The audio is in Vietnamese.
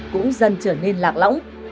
cũng dần trở nên lạc lõng